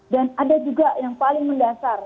dan ada juga yang paling mendasar